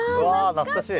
懐かしい。